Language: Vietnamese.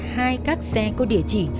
hai các xe có địa chỉ